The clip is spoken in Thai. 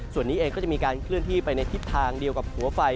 ส่วนนี้เองก็จะมีการเคลื่อนที่ไปในทิศทางเดียวกับหัวไฟ